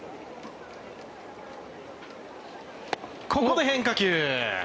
ここで変化球。